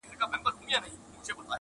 چي بيزو او بيزو وان پر راښكاره سول!!